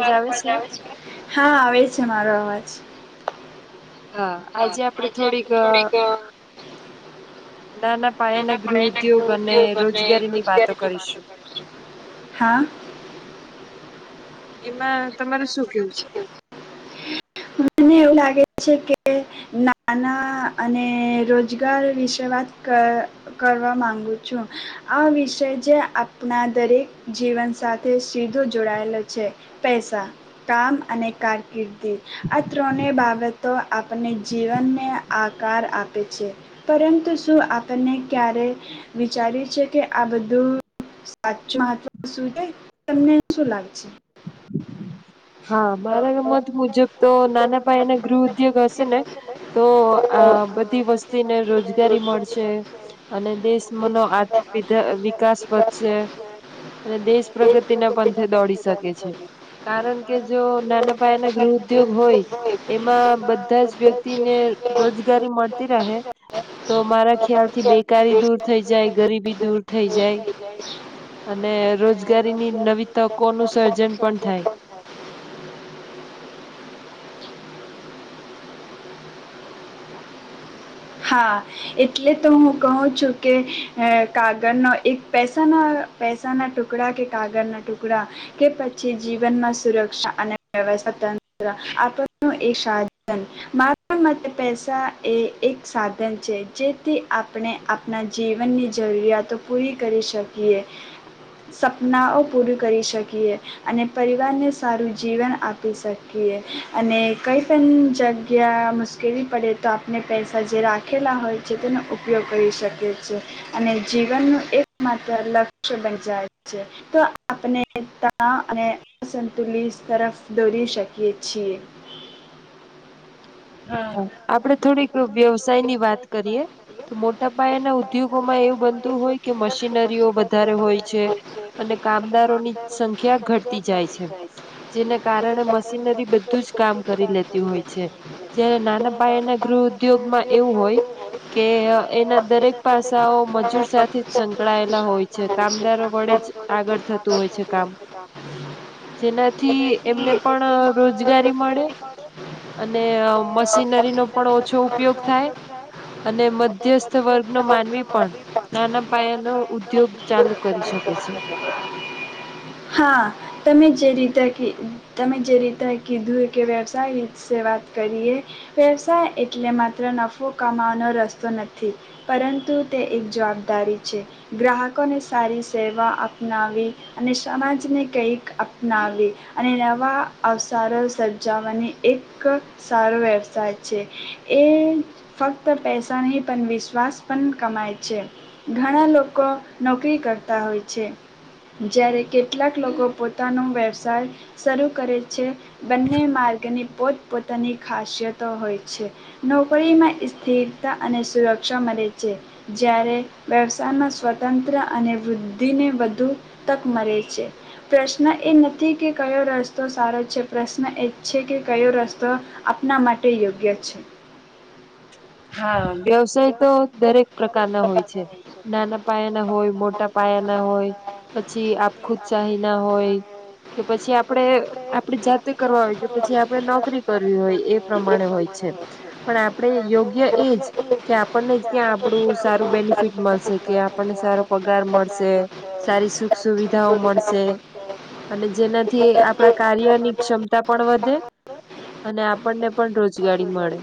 વારર હા આવે છે મારો અવાજ હ હ આજે થોડીક હા. માં તમારું શું કેવું છે? મને એવું લાગે છે કે નાના અને રોજગાર વિશે વાત કર કરવા માંગુ છું આ વિષ જે આપણા દરેક જીવન સાથે સીધો જોડાયેલો છે પૈસા કામ અને કારકિર્દી. આ ત્રને બાબ તો આપને જીવનને આકાર આપે છે પરંતુ શું આપને ક્યારે વિચાર્યું છે કે આ બધુંસાચું હાચુ છે તમને સુ લાગે. હા મારા મત મુજબ તો નાના પાયાના ગૃહ ઉદ્યોગ હશે ને તો આ બધી વસ્તીને રોજગારી મળશે અને દેશનો આર્થિક વિકાસ વધશે અને દેશ પ્રગતિના પંથે દોડી શકે છે કારણ કે જો નાના પાયાના ગૃહ ઉદગ હોય એમાં બધા જ વ્યક્તિને રોજગારી મળતી રહે તો મારા ખ્યાલ થી બેકારી દૂર થઈ જાય ગરીબી દૂર થઈ જાય અને રોજગારીની નવી તકો નું સર્જન પણ થાય. હા એટલે તો હું કહું છું કે કાગળનો એક પૈસાના પૈસાના ટુકડા કે કાગળ ના ટુકડા કે પછી જીવનમાં સુરક્ષા અને વ્યવસ્થા તંત્ર એ સાધન મારા મત પૈસા એ એક સાધન છે જેથી આપણે આપણા જીવનની જરૂરિયાતો પૂરી કરી શકીએ સપનાઓ પૂર કરી શકીએ અને પરિવારને સારું જીવન આપી શકીએ. અને કઈ પણ જગ્યા મુશ્કેલી પડે તો આપણે પૈસા જે રાખેલા હોય છે તેનો ઉપયોગ કરી શકીએ અને જીવનનું એક માત્ર લક્ષ્ય બન જાય છે તો આપણે તણ અને અસંતુલિત તરફ દોરી શકીએ. કે છીએ. હા આપડે થોડીક વ્યવસાયની વાત કરીએ તો મોટા પાયેના ઉદ્યોગોમાં એવું બનતું હોય કે મશીનરીઓ વધારે હોય છે અને કામદારોની સંખ્યા ઘટતી જાય છે જેને કારણે મશીનરી બધું જ કામ કરી લેતી હોય છે. એ નાના પાયા ના ગૃહ ઉદ્યોગમાં એવું હોય કે એના દરેક પાસાઓ મજૂર સાથે જ સંકળાયેલા હોય છે કામદારો વડે જ આગળ થતું હોય છે કામ જેનાથી એમને પણ રોજગારી મળે અને અ મશીનરીનો પણ ઓછો ઉપયોગ થાય. હા તમે જે રીતે કે તમે જે રીતે કીધું કે વ્યવસાય વિશે વાત કરીએ વ્યવસાય એટલે માત્ર નફ કમાવાનો રસ્તો નથી પરંતુ તે એક જવાબદારી છે ગ્રાહકોને સારી સેવા અપનાવી અને સમાજને કંઈક અપનાવી અને નવા અવસારો સર્જાવવાની એક સારો વ્યવસાય છે એ ફકત પૈસા નહી પણ વિશ્વાસ પણ કમાય છે ઘણા લોકો નોકરી કરતા હોય છે જ્યારે કેટલાક લોકો પોતાનો વ્યવસાય શરૂ કરે છે. બંને માર્ગની પોત પોોતાની ખાસિયતો હોય છે. નોકરીમાં સ્થિરતા અને સુરક્ષા મળે છે જ્યારે વ્યવસાયમાં સ્વતંત્ર અને વૃદ્ધિને વધુ તક મળે છે પ્રશ્ન એ નથી કે કયો રસ્તો સારો છે પ્રશ્ન એ છે કે કયો રસ્તો આપના માટે યોગ્ય છે. હા. તો દરેક પ્રકાર ના હોય છે દાદા પાયાના હોય મોટા પાયા ના હોય પછી આયા ના હોય તો પછી આપે આપે ચચું કરવા હોય છે પછી આપ. એજ. કે આપણને જ ક્યાં આપણું સારું બેનિફિટ મળશે કે આપણને સારો પગાર મળશે સારી સુખ સુવિધાઓ મળશે અને જેનાથી આપણા કાર્યની ક્ષમતા પણ વધે અને આપણને પણ રોજગારી મળે.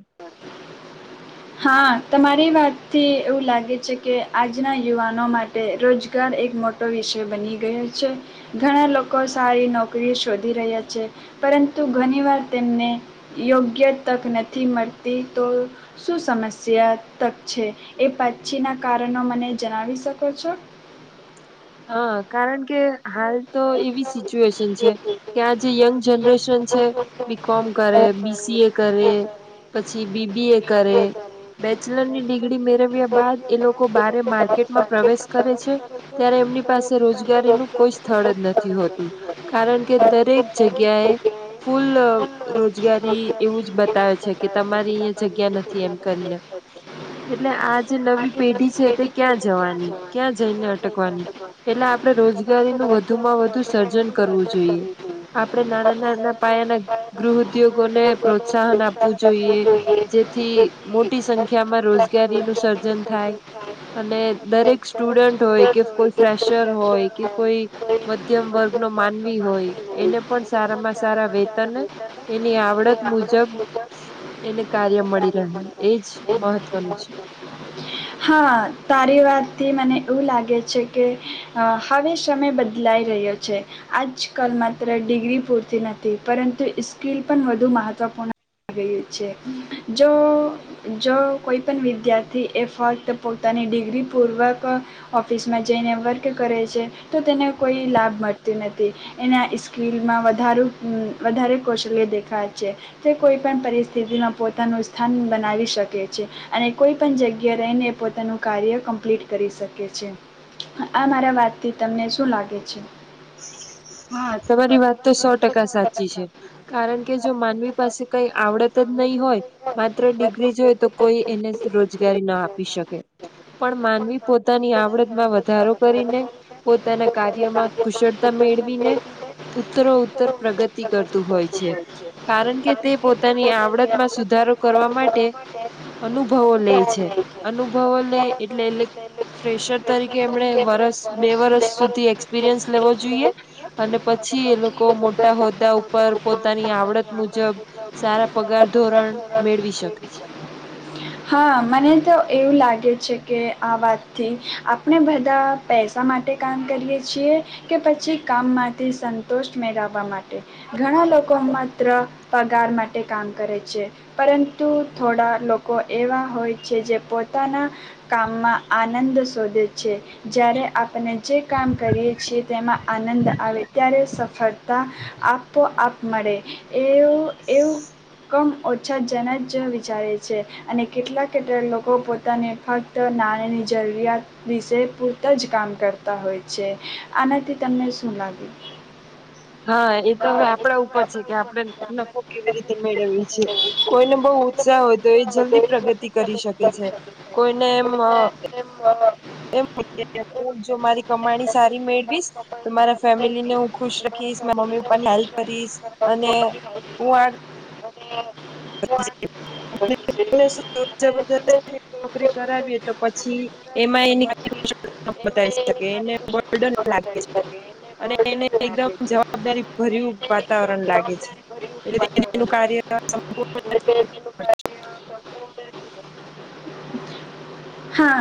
થી એવું લાગે છે કે આજના યુવાનો માટે રોજગાર એક મોટો વિષય બની ગયો છે ઘણા લોકો સારી નોકરી શોધી રહ્યા છે પરંતુ ઘણીવાર તેમને યોગ્ય તક નથી મળતી તો શું સમસ્યા તક છે એ પછીના કારણો મને જણાવી શકો છો. હા કારણ કે હાલ તો એવી સિચ્યુએશન છે કે આ જે યંગ જનરેશન છે બી કોમ કરે બીસીએ કરે પી છી બી બી એ કરે બેચલરની ડિગ્રી મેળવ્યા બાદ એ લોકો લોકો બારે માર્કેટમાં પ્રવેશ કરે છે. ત્યારે એમની પાસે. રોજગારી નું કોઈ સ્થળ જ નથી હોતું. કારણ કે દરેક જગ્યા એ ફૂલ રોજગારી એવું જ બતાવે છે કે તમારી અહીંયા જગ્યા નથી એમ કરીને એટલે આ જે નવી પેઢી છે તે ક્યાં જવાની ક્યાં જઈને. એટલે આપે રોજગારીનું વધુમાં વધુ સર્જન કરવું જોઈએ આપણેે નાના નાના પાયાના ગૃહ ઉદ્યોગોને પ્રોત્સાહન આપવું જોઈએ જેથી મોટી સંખ્યા માં રોજગારી નું સર્જન થાય અને દરેક સ્ટુડન્ટ હોય. કે કોઈ ફ્રેશર હોય કે કોઈ મધ્યમ વર્ગ ન માનવી હોય એને પણ સારામાં સારા વેતન એની આવડત મુજબ એને કાર્ય મળી રહે એજ મહત્વનું છે. હા તારી વારથી મને એવું લાગે છે કે હવે સમય બદલાઈ રહ્યો છે આજકાલ માત્ર ડિગ્રી પૂરતી નથી પરંતુ સ્કિલ પણ વધુ મહત્ત્વપૂર્ણ થ ગઈ છે જો જો કોઈ પણ વિદ્યાર્થી એ ફત. તે પોતાની ડિગ્રીપૂર્વક ઓફિસમાં જઈને વર્ક કરે છે તો તેને કોઈ લાભ મળતો નથી એના સ્કીિલમાં વધાર વધારે કૌશલ્ય દેખાય છે તે કોઈપણ પરિસ્થિતિમાં પોતાનું સ્થાન બનાવી શકે છે અને કોઈપણ જગ્યા રહીને. પોતાનું કાર્ય કમ્પ્લીટ કરી શકે છે આ મારા વાતથી તમને શું લાગે છે. હા તમારી વાત તો સો ટકા સાચી છે કારણ કે જો માનવી પાસે કઈ આવડત જ નહી હોય માત્ર ડિગ્રી જોય તો કોઈ એને રોજગારી ના આપે. પણ માનવી પોતાની આવડતમાં વધારો કરીને પોતાના કાર્યમાં. કુશળતા મેળવીને ઉત્તરો ઉત્તર પ્રગતિ કરતું હોય છે કારણ કે તે પોતાની આવડતમાં સુધારો કરવા માટે અનુભવો લે છે અનુભવ. એટલે એટલે ફેશર તરીકે એમણે વરસ બે વરસ સુધી એક્સપિરિયન્સ. લેવો જોઈએ અને પછી એ લોકો મોટા હોદ્દા ઉપર પોતાની આવડત મુજબ સારા પગાર ધોરણ મેળવી શકે છે. છે કે આ વાતથી આપણે બધા પૈસા માટે કામ કરીએ છીએ કે પછી કામમાંથી સંતોષ્ટ મેળવવા માટે. ઘણા લોકો હમણાં. પત્ર પગાર માટે કામ કરે છે પરંતુ થોડા લોકો એવા હોય છે જે પોતાના. કામમાં આનંદ શોધે છે જ્યારે આપણે. જે કામ કરીએ છીએ તેમાં આનંદ આવે ત્યારે સફળતા આપોઆપ મળે એવું તો એવું કમ ઓછા જન જે વિચારે છે અને કેટલા કેટલા લોકો પોતાને ફક્ત નાણાની જરૂરિયાત વિશે પૂરતા જ કામ કરતા હોય છે આનાથી તમને શું લાગ્યું? હા એ તો હવે આપડા ઉપર છે કે આપણે નફો કેવી રીતે મેળવીવી છેએ કોઈને બહુ ઉત્સાહ હોય તો એ જલ્દી પ્રગતિ કરી શકે છે કોઈ કોઈ ને એમ હા. એ હ જો મારી કમાણી સારી મેળવીશ તો મારા ફેમિલીને હું ખુશ રખીશ મારા મમ્મી પપ્પા ને હેલ્પ કરીશ અને હું આ [inaudible] [unintelligible] કરાવીએ તો પછી એમાં એની [unintelligible] બતાવી શકે બ અને [unintelligible] લાગે છે અને એને એકદમ જવાબદારી ભર્યું વાતાવરણ લાગે છે એટલેનું કાર્ય [unintelligible] [inaudible] હા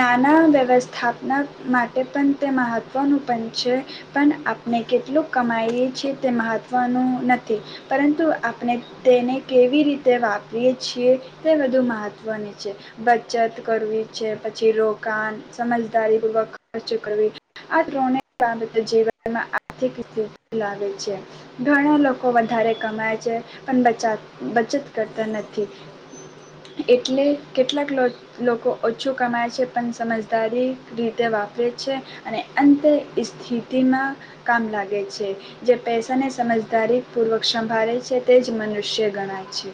નાના અ વ્યવસ્થાપના માટે પણ તે મહત્ત્વનું પણ છે પણ આપણે કેટલું કમાઈએ છેએ તે મહત્વનું નથી પરંતુ આપણે તેને કેવી રીતે વાપરીએ છીએ તે વધુ મહત્ત્વનું છે. બચત કરવી છે પછી રોકાણ સમજદારીપૂર્વક ખર્ચ કરવી આ ત્રબ જીવનમાં આર્થિક સ્થિતિ લાગે છે ઘણા લોકો વધારે કમાય છે પણ બચ બચત કરતા નથી એટલે કેટલાક લોકો ઓછું કમાય છે પણ સમજદારી રીતે વાપરે છે અને અંત સ્થિતિમાં કામ લાગે છે જે પૈસાને સમજદારી પૂર્વક સંભાળે છે તે જ મનુષ્ય ગણાય છે.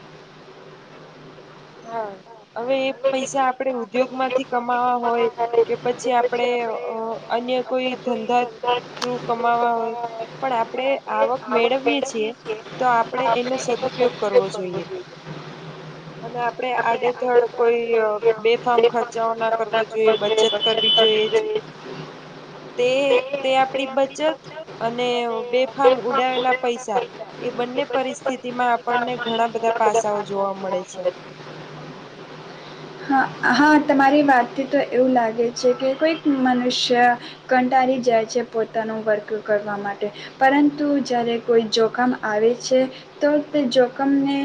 હા. હવે એ પૈસા આપણે ઉદ્યોગ માંથી કમાવા હોય કે પછી આપણે અન્ય કોઈ ધંધા થ્રુ કમાવા હોય પણ આપણે આવક મેળવીય છીએ તો આપણે એનો સદઉપયોગ કરવો જોઈએ. અને આપડે આડેધડ કોઈ બેફામ ખર્ચાઓ ના કરવા જોઈએ બચત કરવી જોઈએ તે તે આપડી બચત અને બેફામ ઉડાવેલા પૈસા એ બંને પરિસ્થિતિમાં આપણને ઘણા બધા પાસાઓ જોવા મળે છે. હા હા તમારી વાતથી તો એવું લાગે છે કે કોઈક મનુષ્ય કંટાળી જાય છે પોતાનું વર્ક કરવા માટે પરંતુ જ્યારે કોઈ જોખમ આવે છે તો તે જોખમને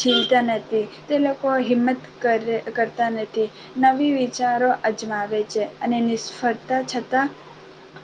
ઝીલતા નથી તે લોકો હિંમત કરે કરતા નથી નવી વિચારો અજમાવે છે અને નિષ્ફળતા છતાં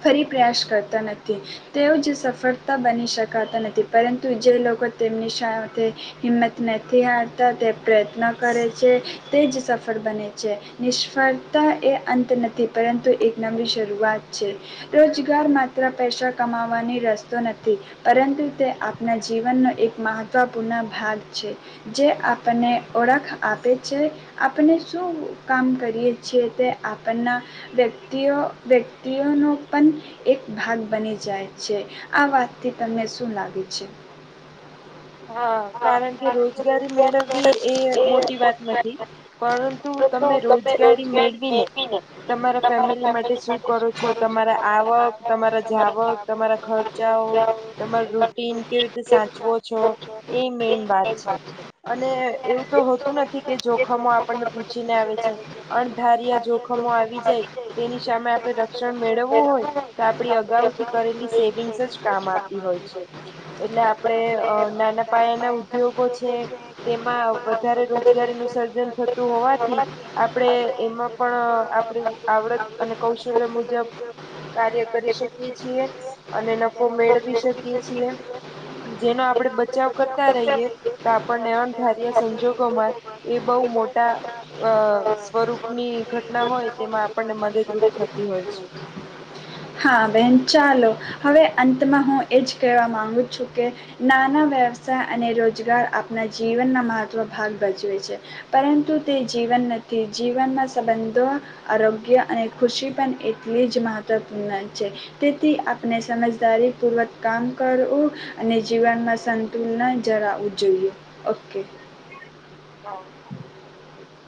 ફરી પ્રયાસ કરતા નથી તેઓ જ સફળતા બની શકાતા નથી પરંતુ જે લોકો તેમની સાથે હિંમત નથી હારતા તે પ્રયત્ન કરે છે તે જ સફળ બને છે. નિષ્ફળતા એ અંત નથી પરંતુ એક નવી શરૂઆત છે. રોજગાર માત્ર પૈસા કમાવવાની રસ્તો નથી પરંતુ તે આપણા જીવનનો એક મહત્વપૂર્ણ ભાગ છે. જે આપને ઓળખ આપે છે આપણે શું કામ કરીએ છીએ. તે આપણના વ્યક્તિઓ વ્યક્તિઓનો પણ એક ભાગ બની જાય, છે આ વાતથી તમને શું લાગે છે. હા કારણ કે રોજગારી મેળવવી એ મોટી વાત નથી પરંતુ તમે રોજગારી મેળવીને તમારા ફેમિલી માટે શું કરો છો તમારા આવક તમારા જાવક તમારા ખર્ચાઓ તમારા રૂટીન કેવી રીતે સાચવો છો? એ મેન વાત છે અને એવું તો હોતું નથી કે જોખમો આપને પૂછીને આવે છે. અણધાર્યા જોખમો આવી જાય તેની સામે આપણે રક્ષણ મેળવવું હોય તો આપડી અગાઉથી કરેલી સેવિંગસ જ કામ આપતી હોય છે એટલે આપણે નાના પાયા ના ઉદ્યોગો છે તેમાં વધારે રોજ રોજગારીનું સર્જન થતું હોવાથી આપણે એમાં પણ આપણી આવડત અને કૌશલ્ય મુજબ કાર્ય કરી શકીએ છીએ અને નફો મેળવી શકીએ છીએ. જેનો આપણે બચાવ કરતા રહીએ તો આપણને અણધાર્ય સંજોગોમાં એ બવ મોટા અ સ્વરૂપની ઘટના હોય તેમાં આપણને મદદરૂપ થતી હોય છે. હવે અંતમાં હું એ જ કહેવા માગું છું કે નાના વ્યવસાય અને રોજગાર આપણા જીવનના મહત્ત્વ ભાગ ભજવે છે પરંતુ તે જીવન નથી જીવનમાં સંબંધો આરોગ્ય, અને ખુશી પણ એટલી જ મહત્ ૂર્ણ છે તેથી આપણે સમજદારી પૂર્વક કામ કરવું અને જીવનમાં સંતુલન જળાવવું જોઈએ ઓકે [inaudible]